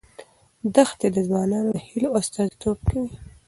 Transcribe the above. دښتې د ځوانانو د هیلو استازیتوب کوي.